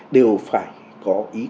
đều phải có ý